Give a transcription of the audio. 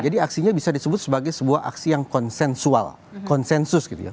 jadi aksinya bisa disebut sebagai sebuah aksi yang konsensual konsensus gitu ya